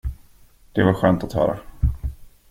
Det var skönt att höra.